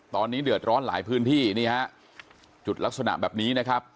ตอนนี้เดือดร้อนหลายพื้นที่นี่ฮะจุดลักษณะแบบนี้นะครับ